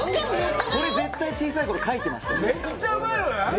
これ絶対小さい頃描いてましたよね